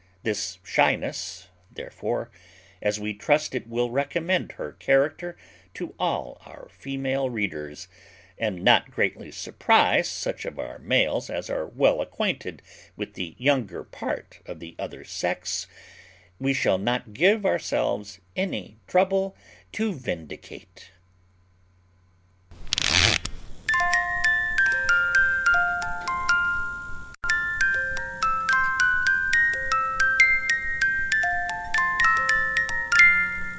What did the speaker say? This shyness, therefore, as we trust it will recommend her character to all our female readers, and not greatly surprize such of our males as are well acquainted with the younger part of the other sex, we shall not give ourselves any trouble to vindicate.